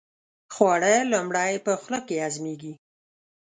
خواړه لومړی په خولې کې هضمېږي.